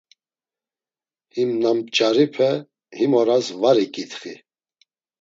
Him na mç̌aripe him oras var iǩitxi.